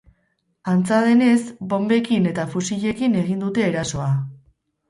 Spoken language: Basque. Antza denez, bonbekin eta fusilekin egin dute erasoa.